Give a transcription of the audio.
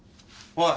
おい！